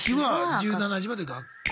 １７時まで学校。